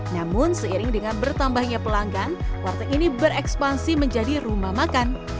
namun seiring dengan bertambahnya pelanggan warteg ini berekspansi menjadi rumah makan